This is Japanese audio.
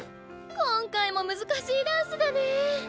今回も難しいダンスだねえ！